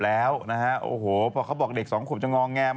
แล้วดูได้เป็นผู้หญิง